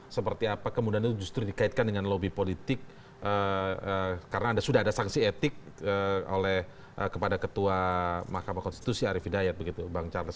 seperti apa kemudian itu justru dikaitkan dengan lobby politik karena sudah ada sanksi etik kepada ketua mahkamah konstitusi arief hidayat begitu bang charles